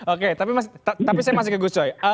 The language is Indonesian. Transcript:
oke tapi saya masih ke gus coy